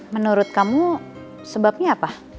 menurut kamu sebabnya apa